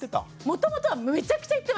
もともとはむちゃくちゃ言ってました。